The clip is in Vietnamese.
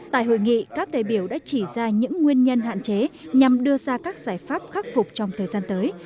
tại hội nghị các đại biểu đã chỉ ra những nguyên nhân hạn chế nhằm đưa ra các giải pháp khắc phục trong thời gian tới